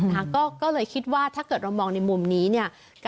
ถ้าเรามองในมุมนี้